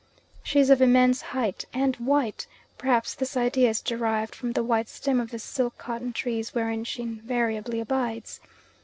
She is of immense height, and white; perhaps this idea is derived from the white stem of the silk cotton trees wherein she invariably abides.